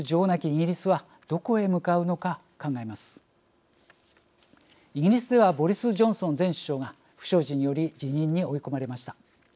イギリスではボリス・ジョンソン前首相が不祥事により辞任に追い込まれました。